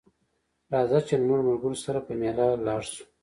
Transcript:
راځه چې له نورو ملګرو سره په ميله لاړ شو